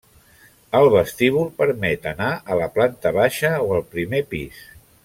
El vestíbul permet anar a la planta baixa o al primer pis.